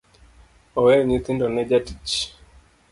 Oweyo nyithindo ne jatich.